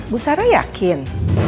bu sarah yakin